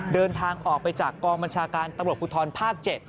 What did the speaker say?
เดินทางออกไปจากกองบัญชาการตำรวจภูทรภาค๗